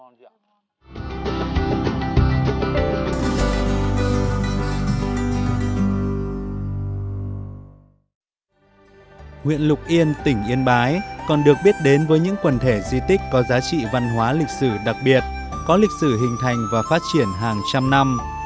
nguyện lục yên tỉnh yên bái còn được biết đến với những quần thể di tích có giá trị văn hóa lịch sử đặc biệt có lịch sử hình thành và phát triển hàng trăm năm